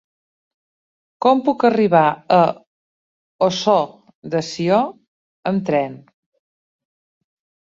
Com puc arribar a Ossó de Sió amb tren?